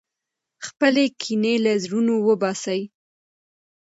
خپلې کینې له زړونو وباسئ.